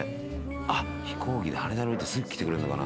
あっ飛行機で羽田に降りてすぐ来てくれるのかな。